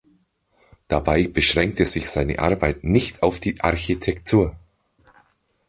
Dabei beschränkte sich seine Arbeit nicht auf die Architektur.